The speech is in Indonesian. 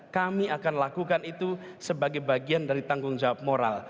kami akan lakukan itu sebagai bagian dari tanggung jawab moral